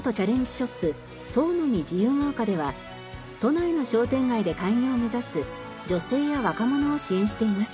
ショップ創の実自由が丘では都内の商店街で開業を目指す女性や若者を支援しています。